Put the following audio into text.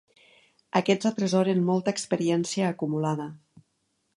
Aquests atresoren molta experiència acumulada.